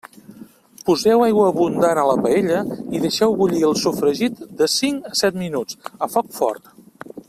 Poseu aigua abundant a la paella i deixeu bullir el sofregit de cinc a set minuts a foc fort.